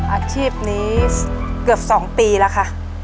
อาชีพนี้เกือบ๒ปีแล้วค่ะ